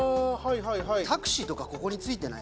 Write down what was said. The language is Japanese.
タクシーとかここに付いてない？